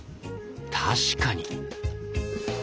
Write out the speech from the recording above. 確かに！